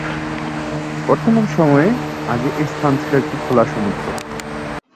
বর্তমান সময়ের আগে এ স্থান ছিল একটি খোলা সমুদ্র।